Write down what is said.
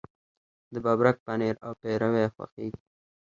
د ببرک پنیر او پیروی خوښیږي.